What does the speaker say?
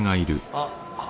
あっ。